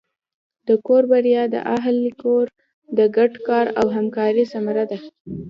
د کور بریا د اهلِ کور د ګډ کار او همکارۍ ثمره ده.